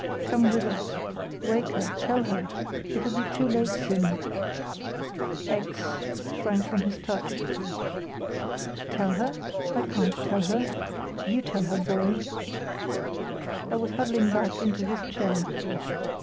Come with us. Wake her, tell her. It'll be too late soon." X—— shrank from his touch. "Tell her? I can't tell her. You tell her, boy." He was huddling back into his chair.